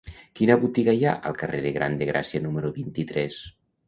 Quina botiga hi ha al carrer Gran de Gràcia número vint-i-tres?